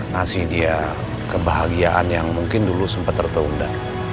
nasi dia kebahagiaan yang mungkin dulu sempet tertunda